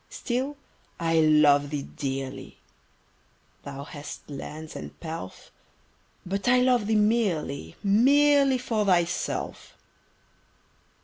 Still I love thee dearly! Thou hast lands and pelf: But I love thee merely Merely for thyself.